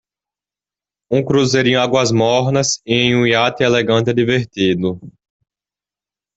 Um cruzeiro em águas mornas em um iate elegante é divertido.